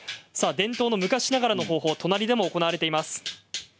伝統の昔ながらの方法は隣でも行われています。